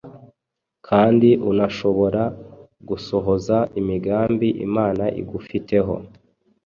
kandi unashobore gusohoza imigambi Imana igufiteho.